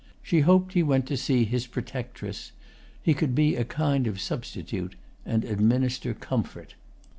She hoped he went to see his protectress: he could be a kind of substitute and administer comfort.